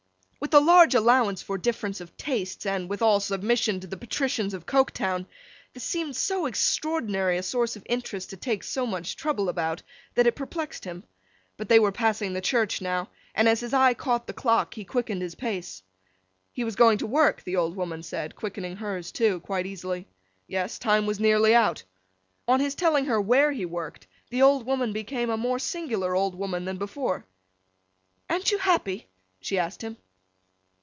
With a large allowance for difference of tastes, and with all submission to the patricians of Coketown, this seemed so extraordinary a source of interest to take so much trouble about, that it perplexed him. But they were passing the church now, and as his eye caught the clock, he quickened his pace. He was going to his work? the old woman said, quickening hers, too, quite easily. Yes, time was nearly out. On his telling her where he worked, the old woman became a more singular old woman than before. 'An't you happy?' she asked him.